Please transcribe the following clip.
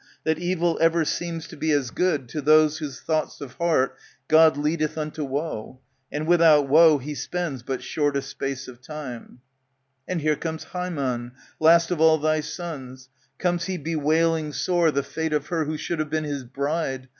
That evil ever seems to be as good To those whose thoughts of heart God leadeth unto woe. And without woe, he spends but shortest space of time. And here comes Haemon, last of all thy sons : Comes he bewailing sore The fate of her who should have been his bride.